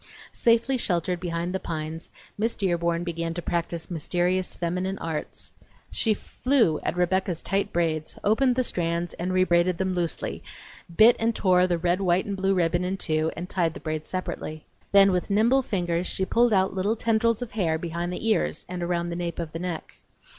Safely sheltered behind the pines, Miss Dearborn began to practice mysterious feminine arts. She flew at Rebecca's tight braids, opened the strands and rebraided them loosely; bit and tore the red, white, and blue ribbon in two and tied the braids separately. Then with nimble fingers she pulled out little tendrils of hair behind the ears and around the nape of the neck.